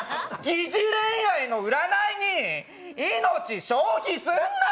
疑似恋愛の占いに、命消費すんな。